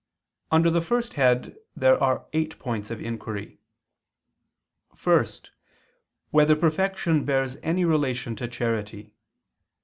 Under the first head there are eight points of inquiry: (1) Whether perfection bears any relation to charity?